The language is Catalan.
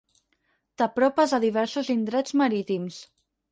T'apropes a diversos indrets marítims.